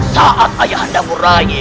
saat ayah anda murai